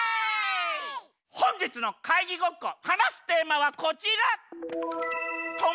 ほんじつのかいぎごっこはなすテーマはこちら。